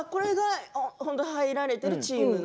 入れられているチームの。